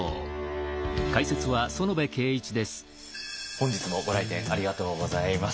本日もご来店ありがとうございます。